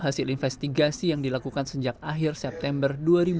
hasil investigasi yang dilakukan sejak akhir september dua ribu dua puluh